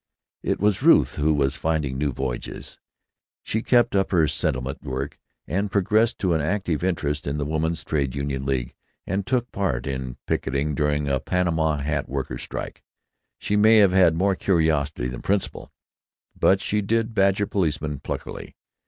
It was Ruth who was finding new voyages. She kept up her settlement work and progressed to an active interest in the Women's Trade Union League and took part in picketing during a Panama Hat Workers' strike. She may have had more curiosity than principle, but she did badger policemen pluckily.